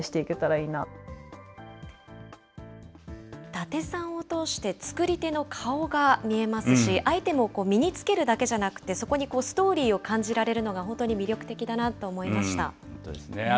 伊達さんを通して、作り手の顔が見えますし、相手も身に着けるだけじゃなくて、そこにストーリーを感じられるの本当ですね。